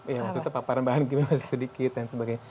ya maksudnya paparan bahan kimia sedikit dan sebagainya